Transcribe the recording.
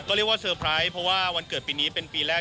ก็เรียกว่าเซอร์ไพรส์เพราะว่าวันเกิดปีนี้เป็นปีแรก